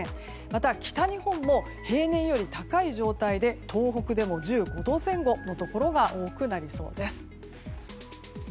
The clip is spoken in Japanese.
また、北日本も平年より高い状態で東北でも１５度前後のところが多くなりそうです。